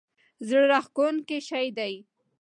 زړه راښکونکی شی دی.